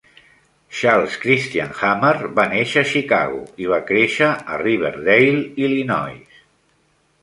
Charles Christian Hammer va néixer a Chicago i va créixer a Riverdale, Illinois.